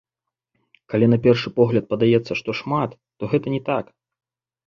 Калі на першы погляд падаецца, што шмат, то гэта не так.